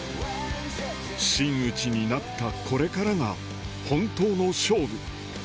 真打になったこれからが本当の勝負